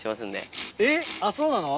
あっそうなの？